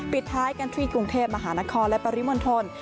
ปิดท้ายกันที่กรุงเทพมหานครและปริมณฑล